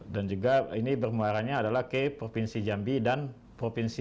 dan juga ini bermuaranya adalah ke provinsi jambi dan provinsi